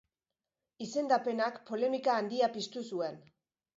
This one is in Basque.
Izendapenak polemika handia piztu zuen.